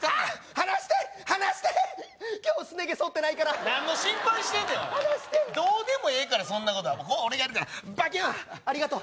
離して離してっ今日すね毛そってないから何の心配してんのやどうでもええからそんなことはここは俺がやるからバキュンありがとう